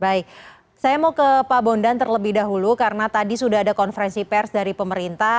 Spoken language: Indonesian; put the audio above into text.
baik saya mau ke pak bondan terlebih dahulu karena tadi sudah ada konferensi pers dari pemerintah